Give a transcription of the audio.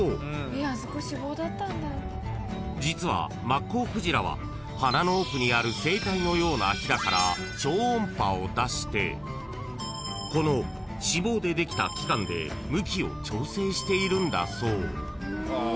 ［実はマッコウクジラは鼻の奥にある声帯のようなひだから超音波を出してこの脂肪でできた器官で向きを調整しているんだそう］